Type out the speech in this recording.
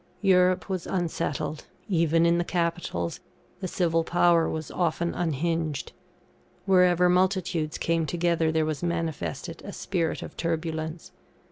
Europe was unsettled; even in the capitals, the civil power was often unhinged. Wherever multitudes came together, there was manifested a spirit of turbulence.